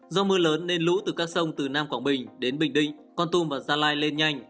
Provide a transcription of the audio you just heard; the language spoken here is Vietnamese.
do mưa lớn nên lũ từ các sông từ nam quảng bình đến bình định con tum và gia lai lên nhanh